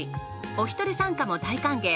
おひとり参加も大歓迎。